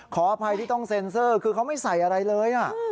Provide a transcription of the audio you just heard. ขออภัยที่ต้องเซ็นเซอร์คือเขาไม่ใส่อะไรเลย